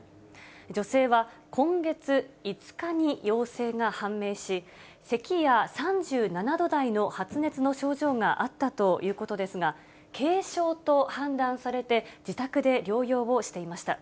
女性は、今月５日に陽性が判明し、せきや３７度台の発熱の症状があったということですが、軽症と判断されて、自宅で療養をしていました。